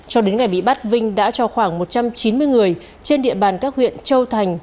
cho đến ngày bị bắt vinh đã cho khoảng một trăm chín mươi người trên địa bàn các huyện châu thành